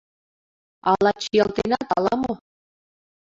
Ала чиялтенат, ала-мо?